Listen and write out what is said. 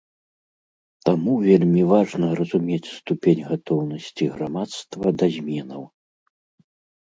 Таму вельмі важна разумець ступень гатоўнасці грамадства да зменаў.